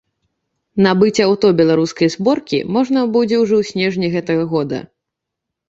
Набыць аўто беларускай зборкі можна будзе ўжо ў снежні гэтага года.